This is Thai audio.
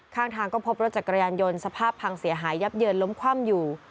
ข้างทางก็พบรถจักรยานยนต์สภาพพังเสียหายยับเยินล้มคว่ำอยู่